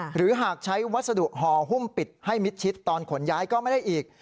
หรือหากใช้วัสดุห่อหุ้มปิดให้มิดชิดตอนขนย้ายก็ไม่ได้อีก